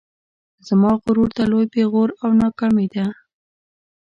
زما غرور ته لوی پیغور او ناکامي ده